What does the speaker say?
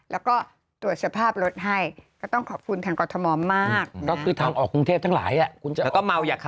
และก็ตรวจสภาพรถให้ก็ต้องขอบคุณทางกล่อธอมอมมาก